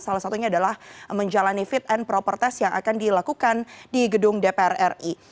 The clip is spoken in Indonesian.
salah satunya adalah menjalani fit and proper test yang akan dilakukan di gedung dpr ri